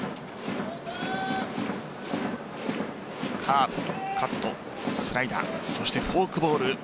カーブ、カット、スライダーそしてフォークボール。